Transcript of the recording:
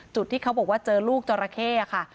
ที่เขาบอกว่าเจอลูกจราเข้ค่ะ